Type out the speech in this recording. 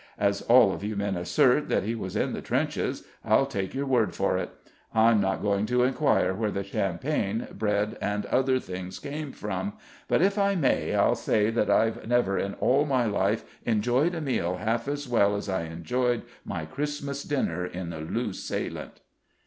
As all you men assert that he was in the trenches I'll take your word for it! I'm not going to inquire where the champagne, bread and other things came from, but if I may, I'll say that I've never in all my life enjoyed a meal half as well as I enjoyed my Christmas dinner in the Loos Salient."